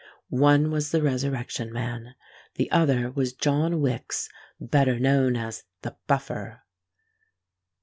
One was the Resurrection Man: the other was John Wicks, better known as the Buffer.